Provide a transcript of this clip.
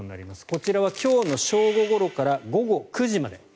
こちらは今日の正午ごろから午後９時まで。